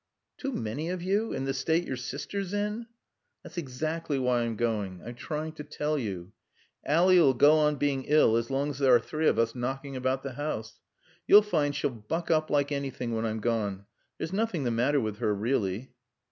"Too many of you in the state your sister's in?" "That's exactly why I'm going. I'm trying to tell you. Ally'll go on being ill as long as there are three of us knocking about the house. You'll find she'll buck up like anything when I'm gone. There's nothing the matter with her, really."